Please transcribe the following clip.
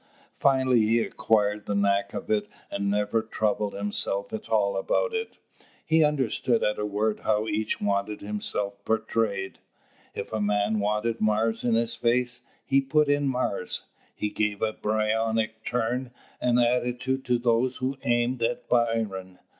Finally he acquired the knack of it, and never troubled himself at all about it. He understood at a word how each wanted himself portrayed. If a man wanted Mars in his face, he put in Mars: he gave a Byronic turn and attitude to those who aimed at Byron.